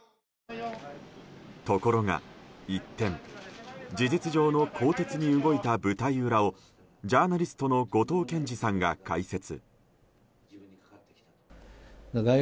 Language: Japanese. ところが、一転事実上の更迭に動いた舞台裏をジャーナリストの後藤謙次さんが解説。